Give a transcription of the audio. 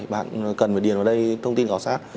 bạn cần phải điền vào đây thông tin khảo sát